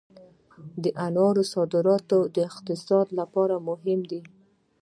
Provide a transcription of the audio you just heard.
د انارو صادرات د اقتصاد لپاره مهم دي